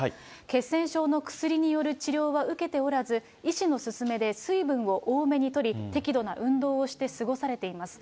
血栓症の薬による治療は受けておらず、医師の勧めで水分を多めにとり、適度な運動をして過ごされています。